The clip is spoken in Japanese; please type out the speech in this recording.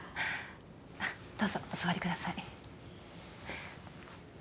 どうぞお座りください